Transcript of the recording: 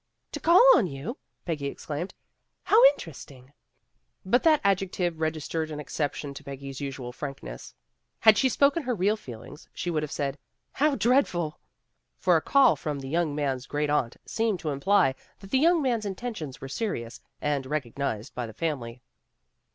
"To call on you," Peggy exclaimed. "How interesting!" But that adjective registered an exception to Peggy's usual frankness. Had she spoken her real feelings she would have said, How dread ful !'' For a call from the young man 's great aunt seemed to imply that the young man's intentions were serious, and recognized by the family.